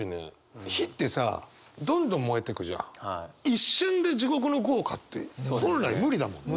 一瞬で地獄の業火って本来無理だもんね。